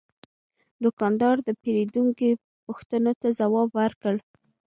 دوکاندار د پیرودونکي پوښتنو ته ځواب ورکړ.